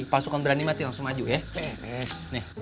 palsukan berani mati langsung maju ya